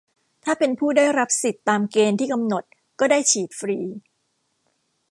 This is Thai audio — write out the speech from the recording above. ถ้าเป็นผู้ได้รับสิทธิ์ตามเกณฑ์ที่กำหนดก็ได้ฉีดฟรี